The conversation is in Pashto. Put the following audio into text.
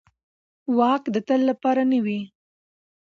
واک د تل لپاره نه وي